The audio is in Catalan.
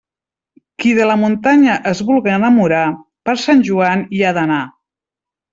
Qui de la muntanya es vulga enamorar, per Sant Joan hi ha d'anar.